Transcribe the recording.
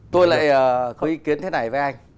tôi lại có ý kiến thế này với anh